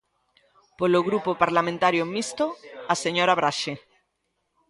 Polo Grupo Parlamentario Mixto, a señora Braxe.